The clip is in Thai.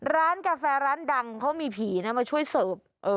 ร้านกาแฟร้านดังเขามีผีนะมาช่วยเสิร์ฟ